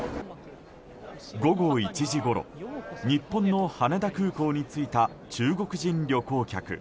午後１時ごろ、日本の羽田空港に着いた中国人旅行客。